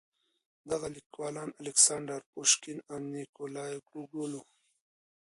دغه ليکوالان الکساندر پوشکين او نېکولای ګوګول وو.